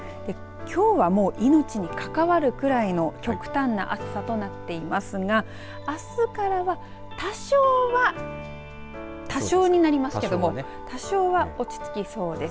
きょうは命に関わるくらいの極端な暑さとなっていますがあすからは多少は多少になりますけども多少は落ち着きそうです。